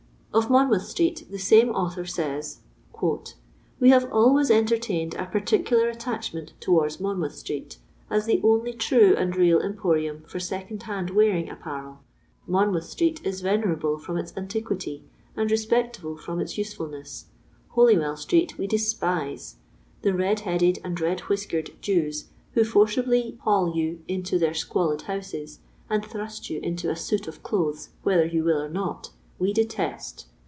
Of Monmonth street the sama author says :—Wo have always entertained a particular attachment towards Monmouth street, as the only true and real emporium for second hand wearing apparel. Monmouth street is Yenerable from iU antiquity, and respectable from its usefulneis. Holy well street we despise ; the red headed and red whiskered Jews who forcibly haul you into their squalid houses, and thrust you into a suit of clothes whether you will or not, we detest.